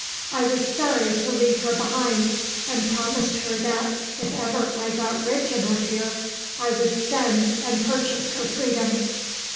I was sorry to leave her behind, and promised her that, if ever I got rich enough here, I would send and purchase her freedom."